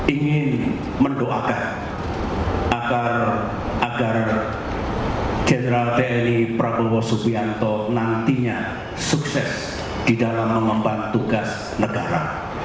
ingin mendoakan agar jenderal tni prabowo subianto nantinya sukses di dalam mengemban tugas negara